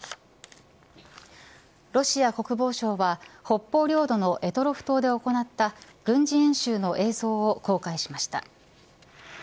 ロシア国防省は北方領土の択捉島で行った軍事演習の映像を公開しました。